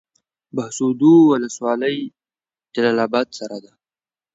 بهسودو ولسوالۍ جلال اباد سره ده؟